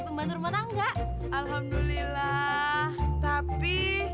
pembantu rumah tangga alhamdulillah tapi